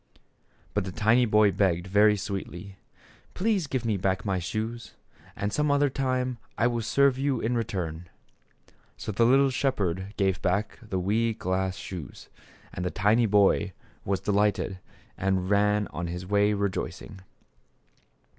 But the tiny boy begged very sweetly :" Please give me back my shoes, and some other time I will serve you in return." So the little shepherd gave back the wee glass THE SHEPHERD BOY. 57 shoes. And the tiny boy was delighted and ran on his way rejoicing.